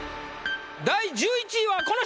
第１１位はこの人！